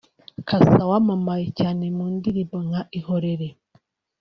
Cassa wamamaye cyane mu ndirimbo nka Ihorere